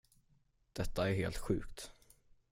Detta är helt sjukt.